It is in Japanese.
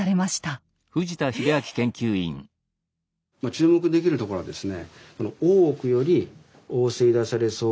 ⁉注目できるところはですね